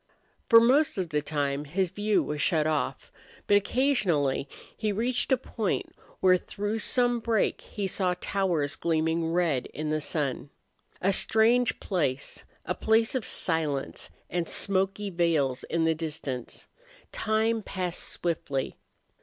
For most of the time his view was shut off, but occasionally he reached a point where through some break he saw towers gleaming red in the sun. A strange place, a place of silence, and smoky veils in the distance. Time passed swiftly.